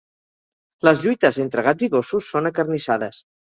Les lluites entre gats i gossos són acarnissades.